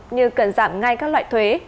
như cần giảm ngay các loại thuế